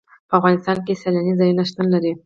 په افغانستان کې سیلانی ځایونه شتون لري.